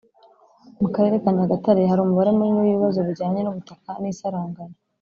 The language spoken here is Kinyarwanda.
Mu Karere ka Nyagatare hari umubare munini w ibibazo bijyanye n ubutaka n isaranganya